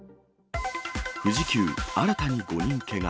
富士急、新たに５人けが。